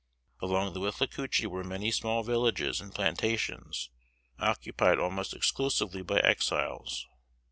Along the Withlacoochee were many small villages and plantations occupied almost exclusively by Exiles.